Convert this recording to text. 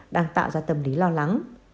đang tạo ra tâm lý lo lắng